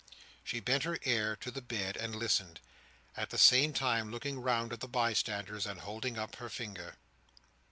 She bent her ear to the bed, and listened: at the same time looking round at the bystanders, and holding up her finger.